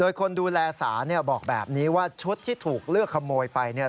โดยคนดูแลสาบอกแบบนี้ว่าชุดที่ถูกเลือกขโมยไป